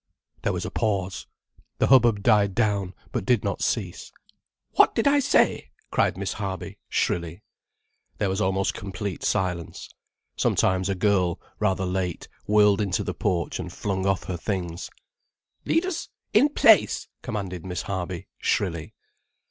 There was a pause. The hubbub died down but did not cease. "What did I say?" cried Miss Harby, shrilly. There was almost complete silence. Sometimes a girl, rather late, whirled into the porch and flung off her things. "Leaders—in place," commanded Miss Harby shrilly.